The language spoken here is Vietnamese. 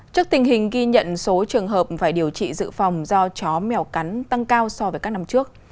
trước tình hình ghi nhận số trường hợp phải điều trị dự phòng do chó mèo cắn tăng cao so với các năm trước